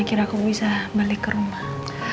akhirnya aku bisa balik ke rumah